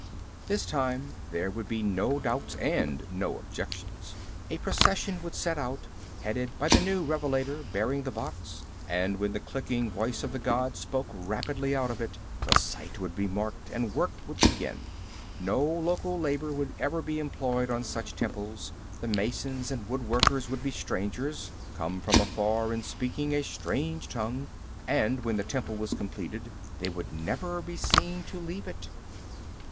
This time, there would be no doubts and no objections. A procession would set out, headed by the new revelator bearing the box, and when the clicking voice of the god spoke rapidly out of it, the site would be marked and work would begin. No local labor would ever be employed on such temples; the masons and woodworkers would be strangers, come from afar and speaking a strange tongue, and when the temple was completed, they would never be seen to leave it.